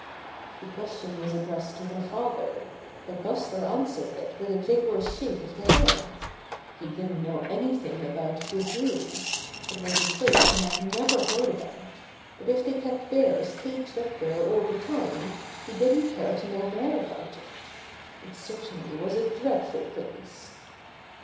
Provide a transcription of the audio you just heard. The question was addressed to her father, but Buster answered it with a vigorous shake of the head. He didn't know anything about the Zoo. It was a place he had never heard about, but if they kept bears caged up there all the time he didn't care to know more about it. It certainly was a dreadful place.